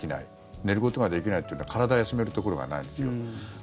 寝ることができないっていうのは体を休めるところがないんですよ。